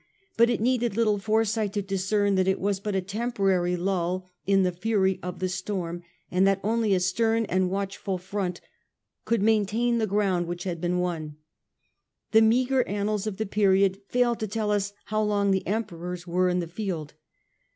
But it needed little foresight to discern that it was but a temporary lull in the fury of the storm, and that only a stem and watchful front could maintain the ground which had been won. The meagre annals of the period fail to tell us how long the Emperors were in the field.